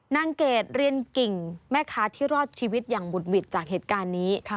เกรดเรียนกิ่งแม่ค้าที่รอดชีวิตอย่างบุดหวิดจากเหตุการณ์นี้